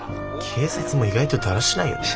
警察も意外とだらしないよね。